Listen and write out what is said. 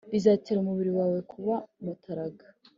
Bizatera umubiri wawe kuba mutaraga.